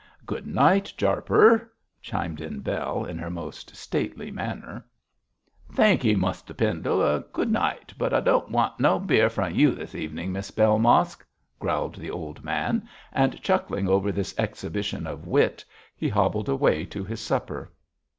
'Good night, Jarper!' chimed in Bell, in her most stately manner. 'Thankee, Muster Pendle, good night, but I don't want no beer fro' you this evening, Miss Bell Mosk,' growled the old man, and chuckling over this exhibition of wit he hobbled away to his supper.